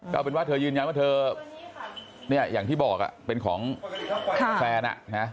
ก็เป็นว่าเธอยืนอย่างเธออย่างที่บอกเป็นของแฟน